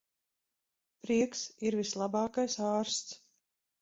Prieks ir vislabākais ārsts.